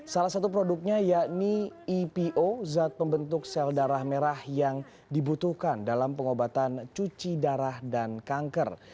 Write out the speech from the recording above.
salah satu produknya yakni epo zat pembentuk sel darah merah yang dibutuhkan dalam pengobatan cuci darah dan kanker